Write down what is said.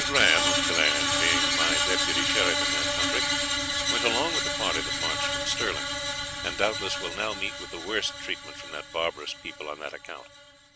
Grahame of Killearn, being my deputy sheriff in that countrie, went along with the party that marched from Stirling; and doubtless will now meet with the worse treatment from that barbarous people on that account.